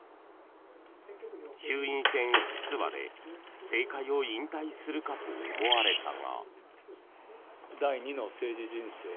衆院選不出馬で政界を引退するかと思われたが。